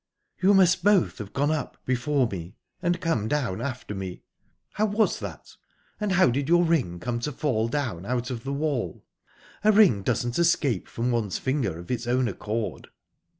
"You must both have gone up before me, and come down after me. How was that? And how did your ring come to fall down out of the wall? A ring doesn't escape from one's finger of its own accord."